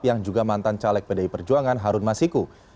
yang juga mantan caleg pdi perjuangan harun masiku